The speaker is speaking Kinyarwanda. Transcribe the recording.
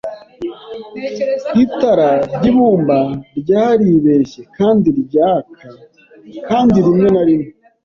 Itara ryibumba ryaribeshye kandi ryaka kandi rimwe na rimwe.